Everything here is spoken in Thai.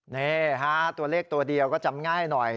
นี่ฮะตัวเลขตัวเดียวก็จำง่ายหน่อย